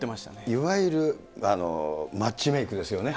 いわゆるマッチメークですよね。